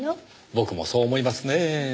僕もそう思いますねぇ。